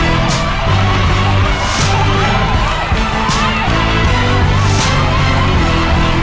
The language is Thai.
อุรกษาธียังไม่เพียง